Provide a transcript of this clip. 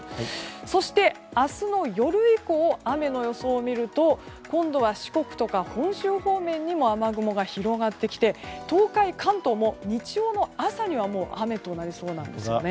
そして、明日の夜以降雨の予想を見ると今度は四国とか本州方面にも雨雲が広がってきて東海や関東も日曜の朝には雨となりそうなんです。